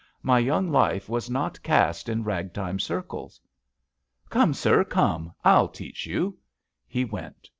My young life was not cast in ragtime circles." "Come, sir, comel I'll teach you!" He went.